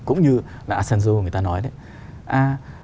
cũng như là asenjo người ta nói đấy